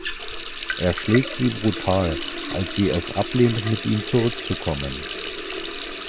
Er schlägt sie brutal, als sie es ablehnt, mit ihm zurückzukommen.